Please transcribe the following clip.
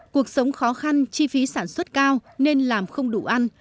cuộc sống khó khăn chi phí sản xuất cao nên làm không đủ ăn